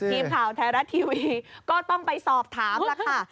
ทีมข่าวไทยรัฐทีวีก็ต้องไปสอบถามล่ะค่ะ